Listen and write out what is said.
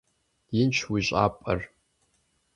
Инщ уи щӀапӀэр.